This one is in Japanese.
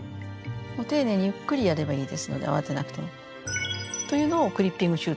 丁寧にゆっくりやればいいですので慌てなくても。というのをクリッピング手術と。